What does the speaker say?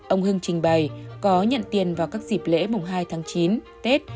ông hưng trình bày có nhận tiền vào các dịp lễ mùng hai tháng chín tết